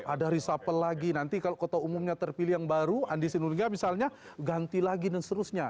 ada reshuffle lagi nanti kalau kota umumnya terpilih yang baru andi sinurga misalnya ganti lagi dan seterusnya